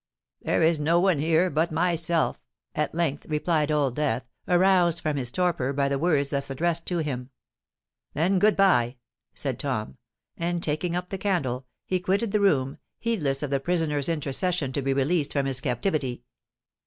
"There is no one here but myself," at length replied Old Death, aroused from his torpor by the words thus addressed to him. "Then good bye," said Tom; and, taking up the candle, he quitted the room, heedless of the prisoner's intercession to be released from his captivity.